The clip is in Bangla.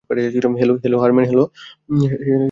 হ্যালো, হারম্যান।